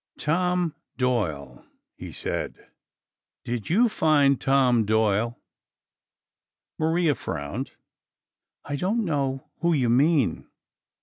"Tom Doyle," he said. "Did you find Tom Doyle?" Maria frowned. "I don't know who you mean!"